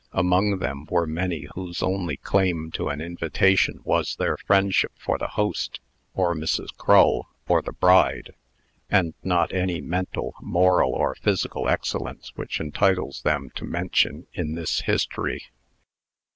Among them were many whose only claim to an invitation was their friendship for the host, or Mrs. Crull, or the bride, and not any mental, moral, or physical excellence which entitles them to mention in this history.